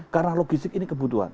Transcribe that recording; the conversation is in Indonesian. karena logistik ini kebutuhan